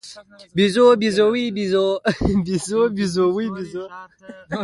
بیزو، بیزووې، بیزوو